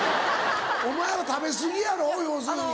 お前は食べ過ぎやろ要するに。